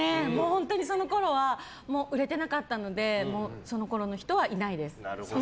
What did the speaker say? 本当にそのころは売れてなかったのでそのころの人はいないです。